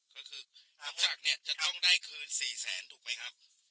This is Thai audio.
ก็คือต้องจากเนี่ยจะต้องได้คืนสี่แสนถูกไหมครับ